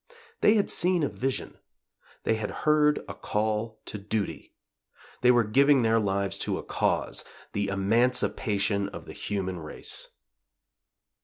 They had seen a vision; they had heard a call to duty; they were giving their lives to a cause the emancipation of the human race.